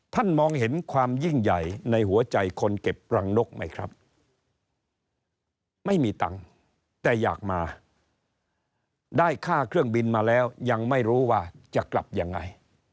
มองเห็นความยิ่งใหญ่ในหัวใจคนเก็บรังนกไหมครับไม่มีตังค์แต่อยากมาได้ค่าเครื่องบินมาแล้วยังไม่รู้ว่าจะกลับยังไง